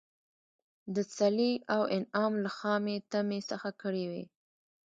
د صلې او انعام له خامي طمعي څخه کړي وي.